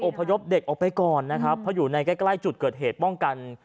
พยพเด็กออกไปก่อนนะครับเพราะอยู่ในใกล้ใกล้จุดเกิดเหตุป้องกัน